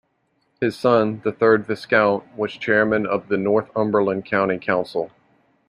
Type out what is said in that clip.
His son, the third Viscount, was Chairman of the Northumberland County Council.